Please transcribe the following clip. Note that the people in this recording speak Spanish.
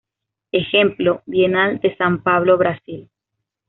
Ejemplo: Bienal de San Pablo Brasil.